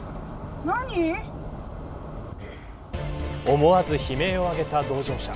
思わず悲鳴を上げた同乗者。